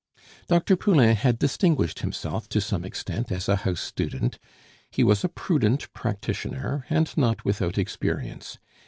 Dr. Poulain had distinguished himself to some extent as a house student; he was a prudent practitioner, and not without experience.